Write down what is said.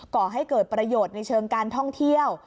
ก่อให้เกิดประโยชน์ในเชิงการท่องเที่ยว